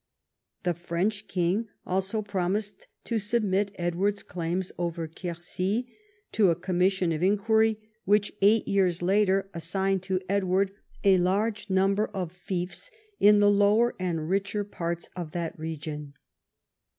The French king also promised to submit Edward's claims over Qucrcy to a commission of inquiry, which eight years later assigned to Edward 92 EDWARD I chap. a large number of fiefs in the lower and richer parts of that region.